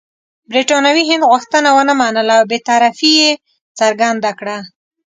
برټانوي هند غوښتنه ونه منله او بې طرفي یې څرګنده کړه.